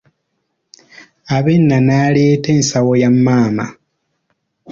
Abena n'aleeta ensawo ya maama.